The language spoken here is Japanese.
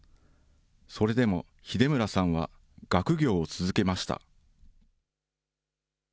それでも秀村さんは学業を続けました。